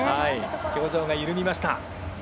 表情が緩みました。